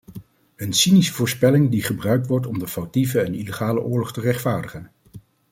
Een cynische voorspelling die gebruikt wordt om de foutieve en illegale oorlog te rechtvaardigen.